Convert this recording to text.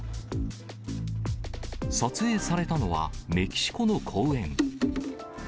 撮影されたのは、メキシコの公園。